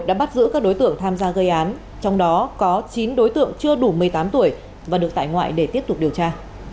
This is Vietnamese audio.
đã bắt giữ các đối tượng tham gia gây án trong đó có chín đối tượng chưa đủ một mươi tám tuổi và được tại ngoại để tiếp tục điều tra